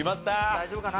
大丈夫かな？